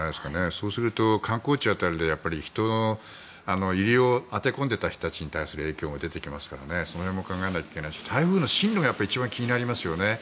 そうすると、観光地辺りで人の入りを当て込んでた人たちに対する影響が出てきますからその辺も考えなきゃいけないし台風の進路が一番気になりますよね。